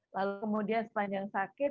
lalu kemudian sepanjang sakit